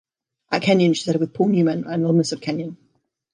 At Kenyon, she studied with Paul Newman, an alumnus of Kenyon.